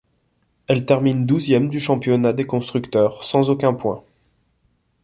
Elle termine douzième du championnat des constructeurs, sans aucun point.